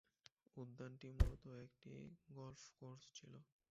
উদ্যানটি মূলত একটি গলফ কোর্স ছিল।